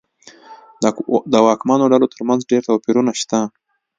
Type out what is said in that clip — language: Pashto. د واکمنو ډلو ترمنځ ډېر توپیرونه شته.